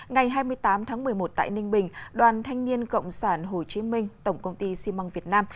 ngày hai mươi tám tháng một mươi một tại ninh bình đoàn thanh niên cộng sản hồ chí minh tổng công ty xi măng việt nam